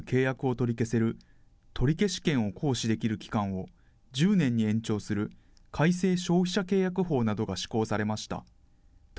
取消権を行使できる期間を１０年に延長する、改正消費者契約法などが施行されました。